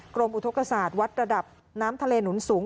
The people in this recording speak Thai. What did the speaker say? กรมอุทธกษาตวัดระดับน้ำทะเลหนุนสูง